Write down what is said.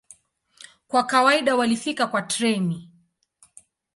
Kwa kawaida walifika kwa treni.